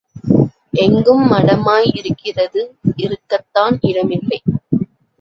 எங்கும் மடமாய் இருக்கிறது இருக்கத்தான் இடம் இல்லை.